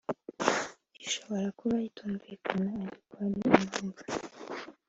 ishobora kuba itumvikana ariko ari impamvu